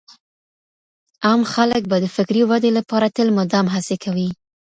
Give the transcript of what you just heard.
عام خلګ به د فکري ودې لپاره تل مدام هڅې کوي.